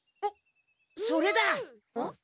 それだ！ん？